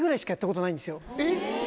えっ？